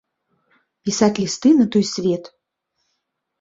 Пісаць лісты на той свет!